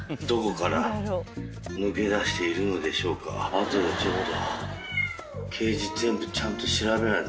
あとでちょっと。